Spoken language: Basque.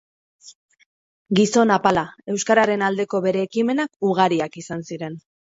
Gizon apala, euskararen aldeko bere ekimenak ugariak izan ziren.